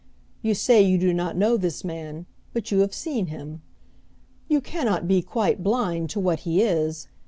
You say you do not know this man, but you have seen him. You can not be quite blind to what he is.